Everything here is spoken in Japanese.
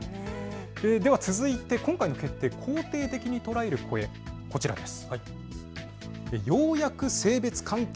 では続いて今回の決定、肯定的に捉える声、こちらです。